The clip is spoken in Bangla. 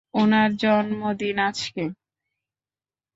উনার জন্মদিন আজকে।